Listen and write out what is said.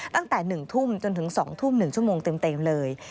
ตั้งแต่๑ทุ่มจนถึง๒ทุ่ม๑ชั่วโมงเต็มเลย